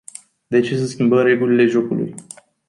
De ce să schimbăm regulile jocului?